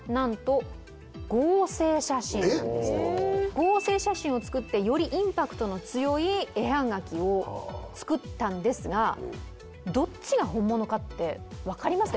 合成写真を作ってよりインパクトの強い絵葉書を作ったんですがどっちが本物かって分かりますか？